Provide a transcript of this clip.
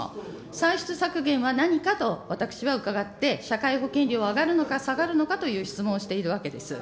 歳出削減は何かと私は伺って、社会保険料は上がるのか下がるのかという質問をしているわけです。